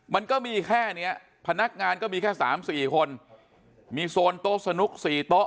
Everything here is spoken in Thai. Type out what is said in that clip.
มันก็มีแค่เนี้ยพนักงานก็มีแค่สามสี่คนมีโซนโต๊ะสนุกสี่โต๊ะ